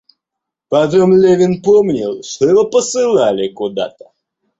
Потом Левин помнил, что его посылали куда-то.